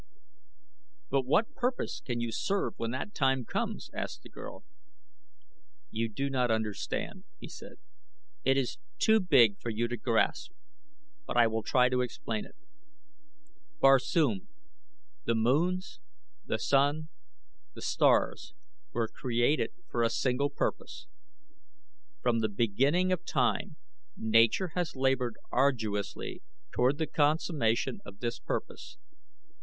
"But what purpose can you serve when that time comes?" asked the girl. "You do not understand," he said. "It is too big for you to grasp, but I will try to explain it. Barsoom, the moons, the sun, the stars, were created for a single purpose. From the beginning of time Nature has labored arduously toward the consummation of this purpose.